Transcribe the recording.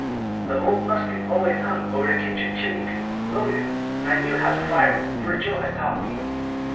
The old musket always hung over the kitchen chimney piece, loaded, and I knew how to fire it, for Joe had taught me.